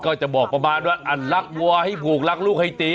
ก็จะบอกประมาณว่าอันรักวัวให้ผูกรักลูกให้ตี